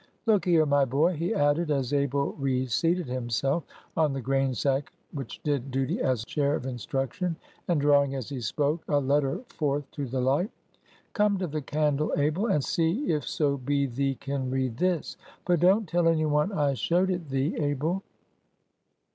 Look here, my boy," he added, as Abel reseated himself on the grain sack which did duty as chair of instruction, and drawing, as he spoke, a letter forth to the light; "come to the candle, Abel, and see if so be thee can read this, but don't tell any one I showed it thee, Abel."